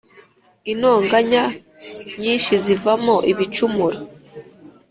inonganya nyinshizivamo ibicumuro